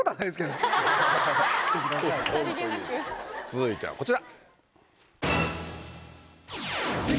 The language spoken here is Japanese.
続いてはこちら。